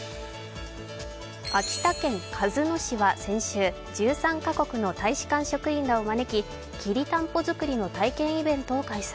秋田県鹿角市は先週、１３カ国の大使館職員らを招ききりたんぽ作りの体験イベントを開催。